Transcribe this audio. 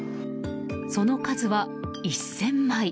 その数は１０００枚。